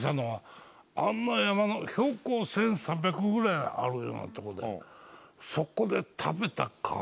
あんな山の標高１３００ぐらいあるようなとこで。